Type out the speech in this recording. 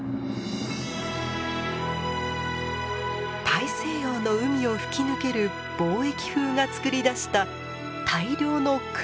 大西洋の海を吹き抜ける貿易風がつくり出した大量の雲。